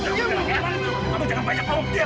pilihan siap siap semuanya